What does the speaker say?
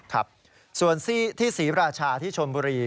ครับส่วนที่ศรีราชาที่ชนบุรี